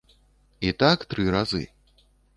І так тры разы.